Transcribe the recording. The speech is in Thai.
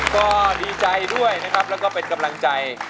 ก็ดีใจด้วยนะครับแล้วก็เป็นกำลังใจ